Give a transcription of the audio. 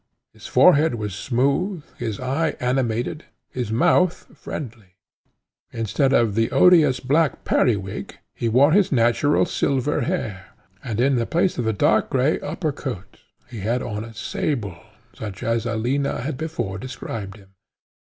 His forehead was smooth, his eye animated, his mouth friendly: instead of the odious black periwig he wore his natural silver hair; and in the place of the dark gray upper coat, he had on a sable, such as Aline had before described him.